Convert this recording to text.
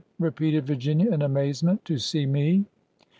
repeated Virginia, in amazement. "To see me